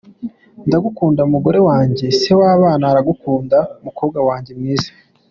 Ndagukunda mugore wanjye, se w’abana aragukunda mukobwa wanjye mwiza.